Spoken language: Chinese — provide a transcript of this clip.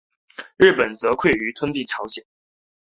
日本则觊觎吞并朝鲜。